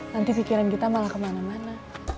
nanti pikiran kita malah kemana mana